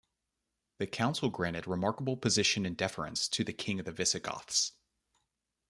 The council granted remarkable position and deference to the king of the Visigoths.